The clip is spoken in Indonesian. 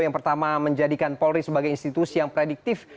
yang pertama menjadikan polri sebagai institusi yang prediktif